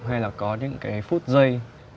hay là có những cái phút giây